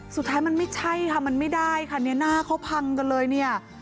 สุดท้ายมันไม่ใช่ค่ะมันไม่ได้ค่ะเนี่ยหน้าเขาพังกันเลยเนี่ย